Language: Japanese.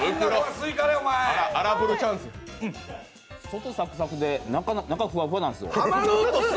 外サクサクで、中ふわふわなんですよ。